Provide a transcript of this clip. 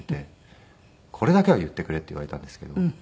「これだけは言ってくれ」って言われたんですけど。